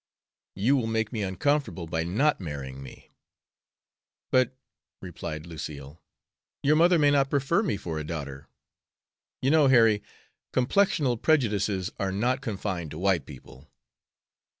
"You will make me uncomfortable by not marrying me." "But," replied Lucille, "your mother may not prefer me for a daughter. You know, Harry, complexional prejudices are not confined to white people."